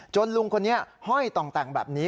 ลุงคนนี้ห้อยต่องแต่งแบบนี้